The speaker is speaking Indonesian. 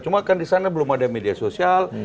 cuma kan di sana belum ada media sosial